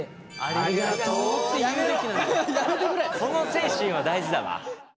その精神は大事だわ。